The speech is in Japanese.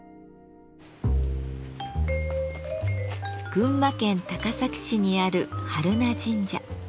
群馬県高崎市にある榛名神社。